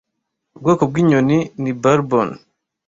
Ubwoko bw'inyoni ni bourbon